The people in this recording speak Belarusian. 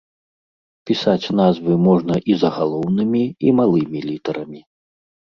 Пісаць назвы можна і загалоўнымі, і малымі літарамі.